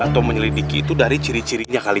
atau menyelidiki itu dari ciri cirinya kali